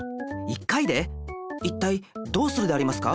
いったいどうするでありますか？